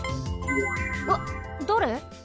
わっだれ？